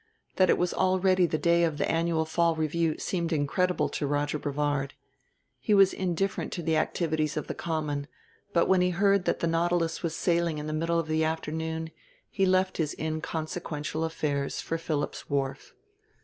That it was already the day of the annual Fall Review seemed incredible to Roger Brevard. He was indifferent to the activities of the Common; but when he heard that the Nautilus was sailing in the middle of the afternoon he left his inconsequential affairs for Phillips' Wharf.